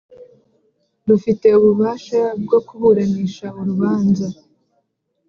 rufite ububasha bwo kuburanisha urubanza